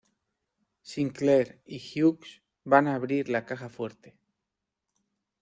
Sinclair y Hughes van a abrir la caja fuerte.